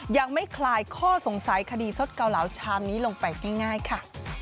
ยังไม่คลายข้อสงสัยคดีสดเกาเหลาชามนี้ลงไปง่ายค่ะ